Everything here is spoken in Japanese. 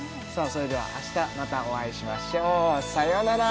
それでは明日またお会いしましょうさよなら！